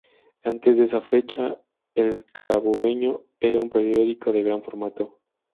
Antes de esa fecha, "El Carabobeño" era un periódico de gran formato.